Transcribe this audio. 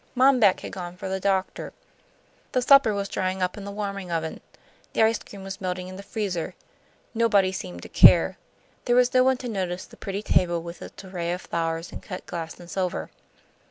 Mom Beck had gone for the doctor. The supper was drying up in the warming oven. The ice cream was melting in the freezer. Nobody seemed to care. There was no one to notice the pretty table with its array of flowers and cut glass and silver.